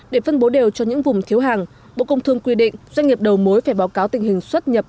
để phân bố đều cho những vùng thiếu hàng bộ công thương quy định doanh nghiệp đầu mối phải báo cáo tình hình xuất nhập